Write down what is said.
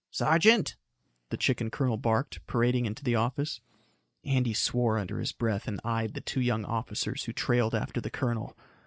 "Sergeant," the chicken colonel barked, parading into the office. Andy swore under his breath and eyed the two young officers who trailed after the colonel.